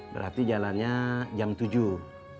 berarti jalannya jam tujuh